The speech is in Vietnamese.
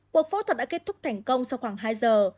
cuộc phẫu thuật đã kết thúc thành công sau khoảng hai giờ